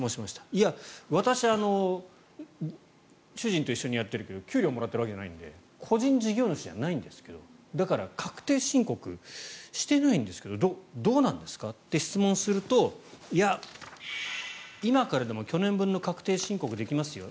いや、私主人と一緒にやってるけど給料をもらっているわけじゃないので個人事業主じゃないんですけど確定申告してないんですけどどうなんですかって質問するといや、今からでも去年分の確定申告できますよ